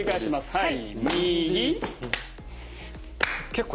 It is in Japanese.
はい。